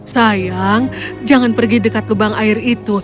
sayang jangan pergi dekat lubang air itu